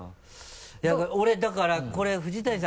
いや俺だからこれ藤谷さん。